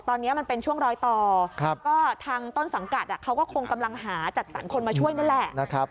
ตอนนี้มันเป็นช่วงรอยต่อก็ทางต้นสังกัดเขาก็คงกำลังหาจัดสรรคนมาช่วยนั่นแหละนะครับ